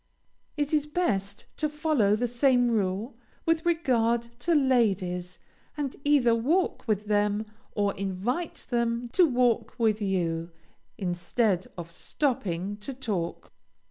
It is best to follow the same rule with regard to ladies, and either walk with them or invite them to walk with you, instead of stopping to talk.